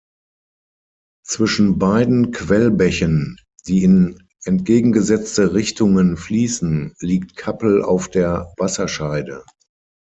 Zwischen beiden Quellbächen, die in entgegengesetzte Richtungen fließen, liegt Cappel auf der Wasserscheide.